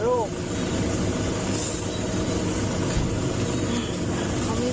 น้องไม่อยู่แล้วนะ